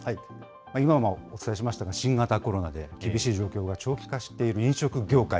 今もお伝えしましたが新型コロナで厳しい状況が長期化している飲食業界。